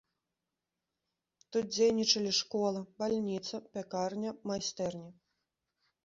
Тут дзейнічалі школа, бальніца, пякарня, майстэрні.